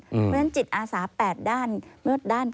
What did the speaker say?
เพราะฉะนั้นจิตอาสา๘ด้าน